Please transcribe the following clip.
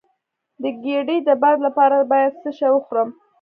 د ګیډې د باد لپاره باید څه شی وخورم؟